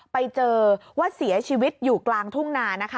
ไปเจอว่าเสียชีวิตอยู่กลางทุ่งนานะคะ